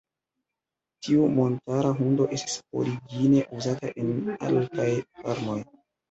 Tiu montara hundo estis origine uzata en alpaj farmoj.